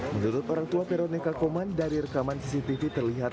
menurut orang tua veronica koman dari rekaman cctv terlihat